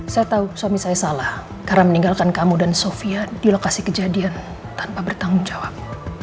saya tahu suami saya salah karena meninggalkan kamu dan sofia di lokasi kejadian tanpa bertanggung jawab